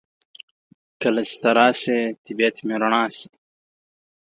کله چې ته راشې طبیعت مې رڼا شي.